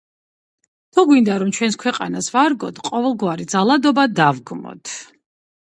თუ გვინდა, რომ ჩვენს ქვეყანას ვარგოთ, ყოველგვარი ძალადობა დავგმოთ!